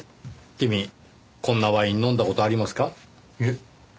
君こんなワイン飲んだ事ありますか？